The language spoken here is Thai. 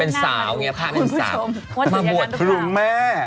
เป็นสาวไงค่ะเป็นสาวมาบวชพระหลุงแม่